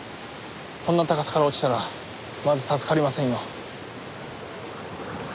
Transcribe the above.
こんな高さから落ちたらまず助かりませんよ。